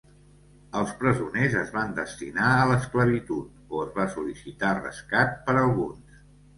Els presoners es van destinar a l'esclavitud o es va sol·licitar rescat per alguns.